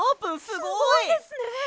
すごいですね！